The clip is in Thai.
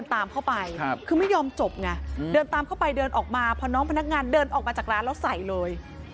ทางน้องพนักงานเดินออกมาจากร้านแล้วใส่เลย